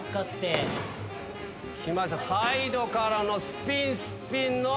サイドからのスピンスピンの。